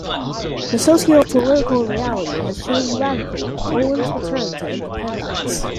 The socio-political reality has changed radically with Poland's return to independence.